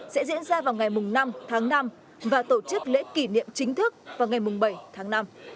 sẽ diễn ra vào ngày năm tháng năm và tổ chức lễ kỷ niệm chính thức vào ngày bảy tháng năm